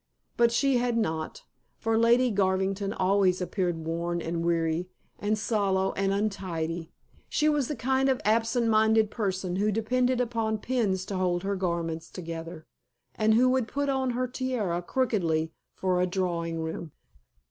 But she had not, for Lady Garvington always appeared worn and weary, and sallow, and untidy. She was the kind of absent minded person who depended upon pins to hold her garments together, and who would put on her tiara crookedly for a drawing room.